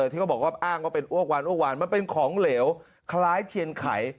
ที่เขาบอกว่าอ้างว่าเป็นอ้วกวานอ้วกวานมันเป็นของเหลวคล้ายเทียนไข่